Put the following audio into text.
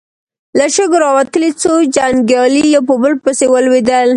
له شګو راوتلې څو جنګيالي يو په بل پسې ولوېدل.